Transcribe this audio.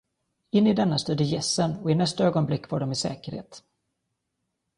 In i denna styrde gässen, och i nästa ögonblick var de i säkerhet.